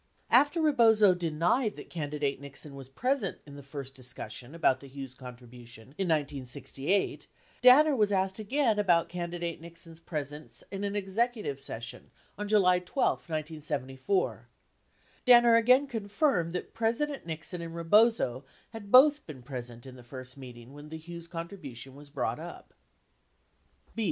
50 After Rebozo denied that candidate Nixon was present in the first discussion about the Hughes contribution in 1968, Danner was asked again about candidate Nixon's presence in an executive session on June 12, 1974. Danner again confirmed that President Nixon and Re bozo had both been present in the first meeting when the Hughes contribution was brought up.